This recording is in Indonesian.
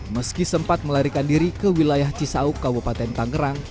meski sempat melarikan diri ke wilayah cisauk kabupaten tangerang